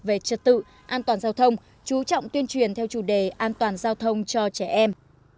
về trật tự an toàn giao thông chú trọng tuyên truyền theo chủ đề an toàn giao thông cho trẻ em